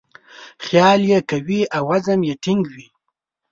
خیال یې قوي او عزم یې ټینګ وي.